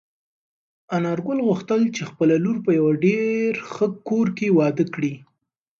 انارګل غوښتل چې خپله لور په یوه ډېر ښه کور کې واده کړي.